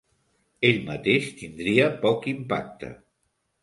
Ell mateix, tindria poc impacte.